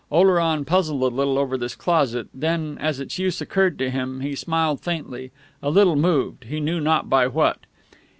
Oleron puzzled a little over this closet; then, as its use occurred to him, he smiled faintly, a little moved, he knew not by what....